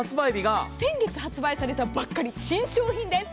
先月発売されたばかり、新商品です。